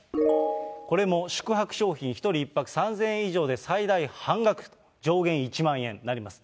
これも宿泊商品１人１泊３０００円以上で最大半額、上限１万円になります。